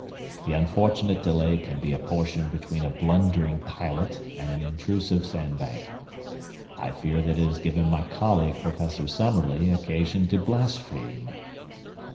The unfortunate delay can be apportioned between a blundering pilot and an intrusive sandbank. I fear that it has given my colleague, Professor Summerlee, occasion to blaspheme."